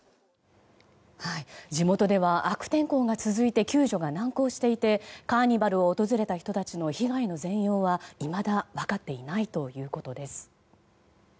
地元では悪天候が続いて救助が難航していてカーニバルを訪れた人たちの被害の全容は、いまだ分かっていないということです。